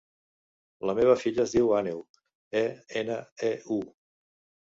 La meva filla es diu Aneu: a, ena, e, u.